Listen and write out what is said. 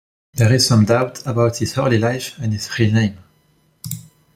There is some doubt about his early life and his real name.